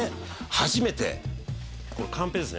初めてカンペですね